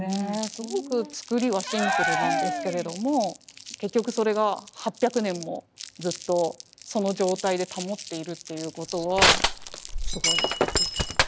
すごく作りはシンプルなんですけれども結局それが８００年もずっとその状態で保っているっていうことはすごいことですよね。